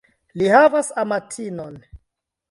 Li havas amatinon.